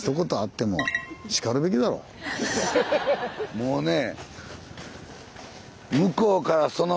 もうねぇ。